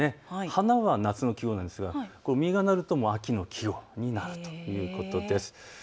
花は夏の季語なんですが、実がなると秋の季語になるということです。